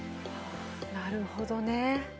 なるほどね。